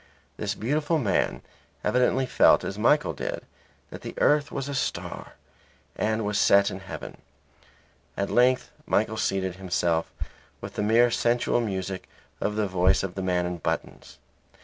This beautiful man evidently felt as Michael did that the earth was a star and was set in heaven. At length Michael sated himself with the mere sensual music of the voice of the man in buttons.